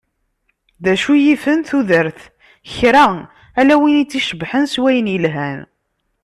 D acu yifen tudert? Kra! Ala win i tt-icebḥen s wayen yelhan.